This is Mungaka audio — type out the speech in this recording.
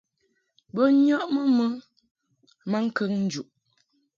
Bo nyɔʼmɨ mɨ maŋkəŋ njuʼ.